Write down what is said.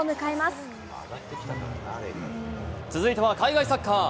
続いては、海外サッカー。